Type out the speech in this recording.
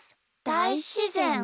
だいしぜん？